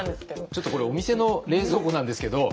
ちょっとこれお店の冷蔵庫なんですけど。